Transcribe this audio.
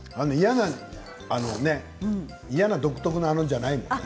嫌な独特の「あの」じゃないよね。